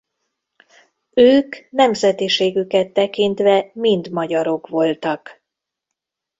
Ők nemzetiségüket tekintve mind magyarok voltak.